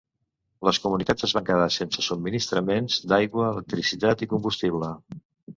Les comunitats es van quedar sense subministraments d'aigua, electricitat i combustible.